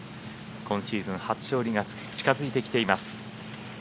今シーズン初勝利が近づいてきています。